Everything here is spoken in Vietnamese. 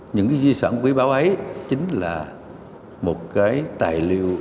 những cái di sản quý báo ấy chính là một cái tài liệu